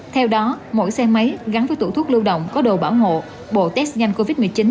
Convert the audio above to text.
theo đó mỗi xe máy gắn với tủ thuốc lưu động có đồ bảo hộ bộ test nhanh covid một mươi chín